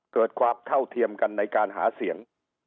เกิดความเท่าเทียมกันในการหาเสียง